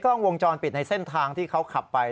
กล้องวงจรปิดในเส้นทางที่เขาขับไป